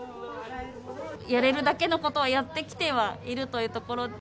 やれるだけのことをやってきてはいるというところ。